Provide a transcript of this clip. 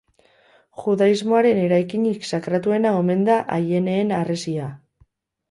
Judaismoaren eraikinik sakratuena omen da Aieneen Harresia.